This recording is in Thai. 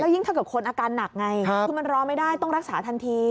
ยิ่งถ้าเกิดคนอาการหนักไงคือมันรอไม่ได้ต้องรักษาทันที